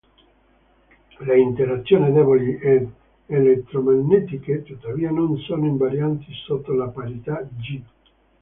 Le interazioni deboli ed elettromagnetiche, tuttavia, non sono invarianti sotto la parità "G".